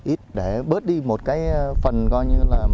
ít để bớt đi một cái phần